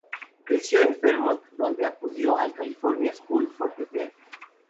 Creció en Fremont donde acudió al California School for the Deaf.